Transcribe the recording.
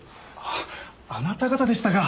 あああなた方でしたか。